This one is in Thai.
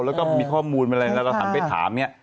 แล้วก็มีข้อมูลอะไรแล้วเราหันไปถามเนี่ย